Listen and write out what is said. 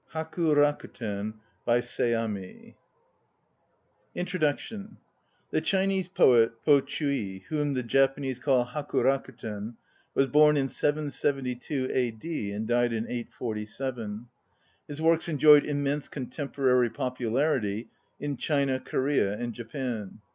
HAKU RAKUTEN By SEAMI INTRODUCTION THE Chinese poet Po Chii i, whom the Japanese call Haku Rakuten, was born in 772 A. D. and died in 847. His works enjoyed immense contemporary popularity in China, Korea and Japan.